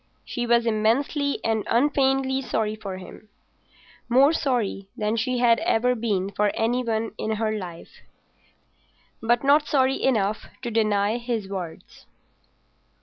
She was immensely and unfeignedly sorry for him—more sorry than she had ever been for any one in her life, but not sorry enough to deny his words.